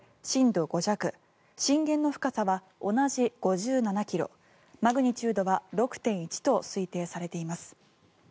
震源の深さは同じ５７ｋｍマグニチュードは６．１と推定されています。